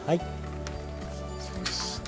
そして。